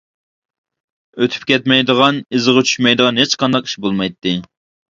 ئۆتۈپ كەتمەيدىغان، ئىزىغا چۈشمەيدىغان ھېچقانداق ئىش بولمايتتى.